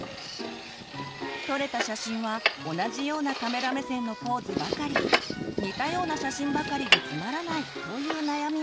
撮れた写真は同じようなカメラ目線のポーズばかり似たような写真ばかりでつまらないという悩みも。